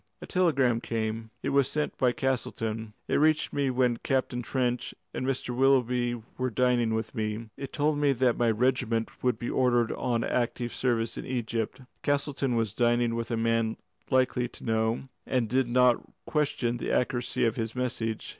"A telegram came. It was sent by Castleton. It reached me when Captain Trench and Mr. Willoughby were dining with me. It told me that my regiment would be ordered on active service in Egypt. Castleton was dining with a man likely to know, and I did not question the accuracy of his message.